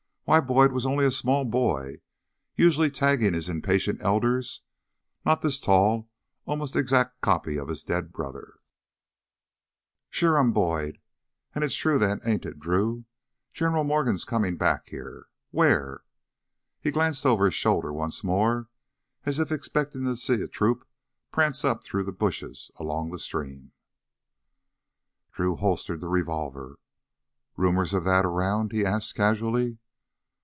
Why, Boyd was only a small boy, usually tagging his impatient elders, not this tall, almost exact copy of his dead brother. "Sure, I'm Boyd. And it's true then, ain't it, Drew? General Morgan's coming back here? Where?" He glanced over his shoulder once more as if expecting to see a troop prance up through the bushes along the stream. Drew holstered the revolver. "Rumors of that around?" he asked casually.